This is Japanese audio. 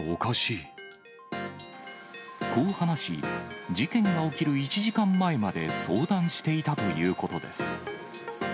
こう話し、事件が起きる１時間前まで相談していたということです。